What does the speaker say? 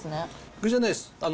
具じゃないです。